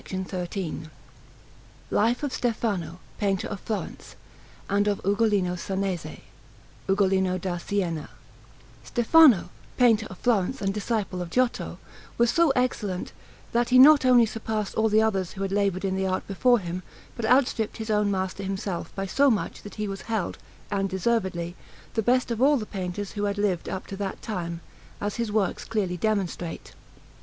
STEFANO AND UGOLINO SANESE LIFE OF STEFANO, PAINTER OF FLORENCE, AND OF UGOLINO SANESE [UGOLINO DA SIENA] Stefano, painter of Florence and disciple of Giotto, was so excellent, that he not only surpassed all the others who had laboured in the art before him, but outstripped his own master himself by so much that he was held, and deservedly, the best of all the painters who had lived up to that time, as his works clearly demonstrate.